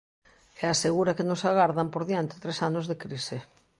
E asegura que nos agardan por diante tres anos de crise.